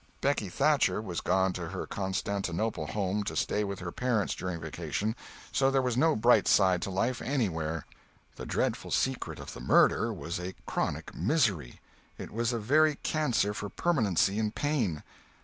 Becky Thatcher was gone to her Constantinople home to stay with her parents during vacation—so there was no bright side to life anywhere. The dreadful secret of the murder was a chronic misery. It was a very cancer for permanency and pain.